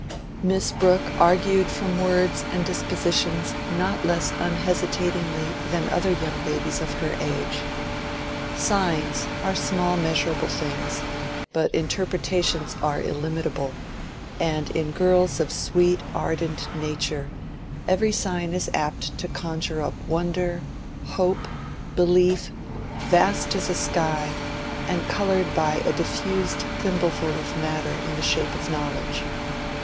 Miss Brooke argued from words and dispositions not less unhesitatingly than other young ladies of her age. Signs are small measurable things, but interpretations are illimitable, and in girls of sweet, ardent nature, every sign is apt to conjure up wonder, hope, belief, vast as a sky, and colored by a diffused thimbleful of matter in the shape of knowledge.